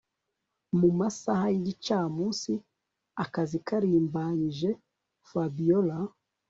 Mumasaha yigicamunsi akazi karimbanyije Fabiora